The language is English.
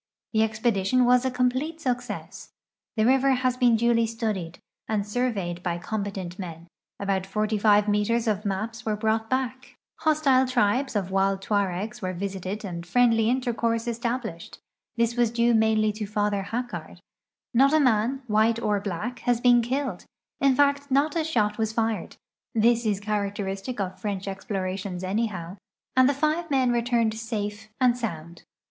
The expedi tion was a complete success. The river has been duly studied and sur veyed by competent men ; about 45 meters of maps were brought back ; GKOaRAI'IlIC SICJUALS 25 hostile tribes of wild Tuaregs wore visited and friendly inteivonrse established (this was due mainly to Father Hacciuard) ; not a man, white or black, has been killed; in fact, not a shot was fired (this is ciiaracter istic of French explorations anyhow), and the live men returned safe and sound.